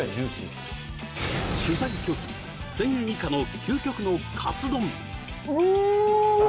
取材拒否１０００円以下の究極のかつ丼うわ